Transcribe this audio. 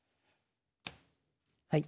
はい。